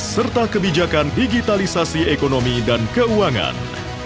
serta kebijakan digitalisasi ekonomi dan keuangan